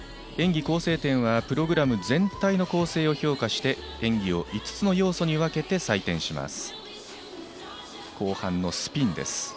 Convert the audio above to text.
演技構成点はプログラム全体の構成を評価して演技を５つの要素に分けて採点します。